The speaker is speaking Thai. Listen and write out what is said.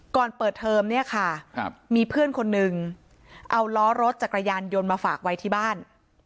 ก่อนเปิดเทอมเนี่ยค่ะมีเพื่อนคนหนึ่งเอาล้อรถจักรยานยนต์มาฝากไว้ที่บ้าน